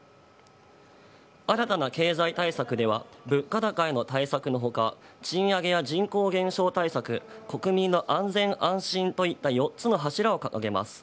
新たな経済対策では、物価高への対策のほか、賃上げや人口減少対策、国民の安全・安心といった４つの柱を掲げます。